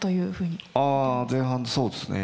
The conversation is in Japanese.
ああ前半そうっすね。